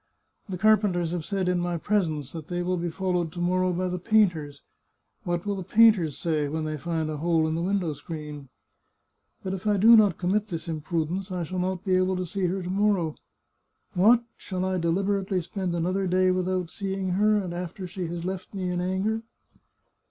" The carpenters have said in my pres ence that they will be followed to morrow by the painters. What will the painters say when they find a hole in the win dow screen? But if I do not commit this imprudence I shall not be able to see her to morrow. What! shall I deliberately spend another day without seeing her, and after she has left me in anger